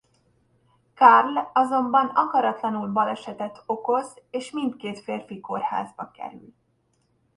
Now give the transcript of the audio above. Carl azonban akaratlanul balesetet okoz és mindkét férfi kórházba kerül.